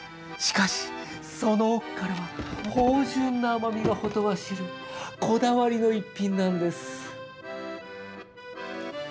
しかしその奥からは芳じゅんな甘みがほとばしるこだわりの逸品なんです。